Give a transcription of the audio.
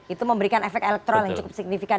itu memberikan efek elektrol yang cukup signifikan